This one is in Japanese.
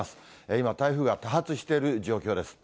今、台風が多発している状況です。